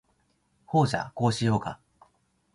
ほーじゃ、こうしようか？